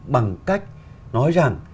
bằng cách nói rằng